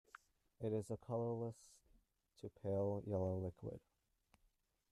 It is a colorless to pale yellow liquid.